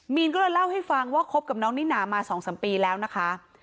มีนก็เลยเล่าให้ฟังว่าคบกับน้องนิน่ามา๒๓ปีแล้วนะคะ